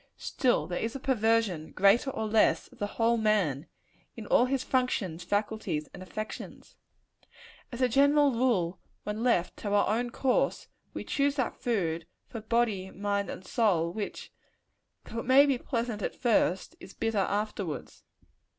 Still there is a perversion, greater or less, of the whole man in all his functions, faculties and affections. As a general rule, when left to our own course, we choose that food, for body, mind and soul, which, though it may be pleasant at first, is bitter afterwards.